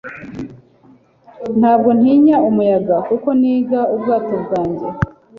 ntabwo ntinya umuyaga, kuko niga ubwato bwanjye